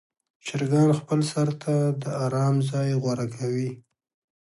چرګان خپل سر ته د آرام ځای غوره کوي.